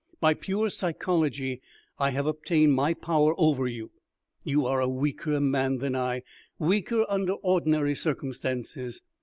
By pure psychology I have obtained my power over you. You are a weaker man than I weaker under ordinary circumstances.